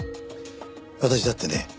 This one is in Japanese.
私だってね